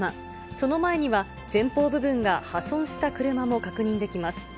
その前には前方部分が破損した車も確認できます。